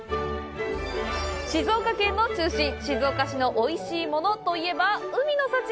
静岡県の中心、静岡市のおいしいものといえば海の幸！